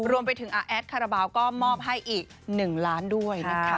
รวมไปถึงอาแอดคาราบาลก็มอบให้อีก๑ล้านด้วยนะคะ